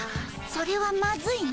それはマズいね。